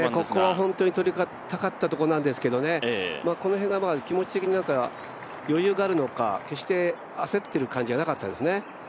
ここは本当にとりたかったところなんですけどこの辺が気持ち的に余裕があるのか決して焦っている感じがなかったですね。